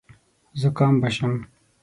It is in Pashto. زکام به شم .